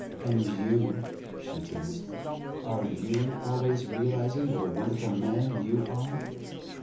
"And you," she teased, "are you always realizing what a wonderful man you are?"